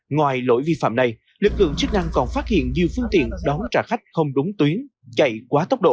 ngoài lỗi vi phạm này lực lượng chức năng còn phát hiện nhiều phương tiện đón trả khách không đúng tuyến chạy quá tốc độ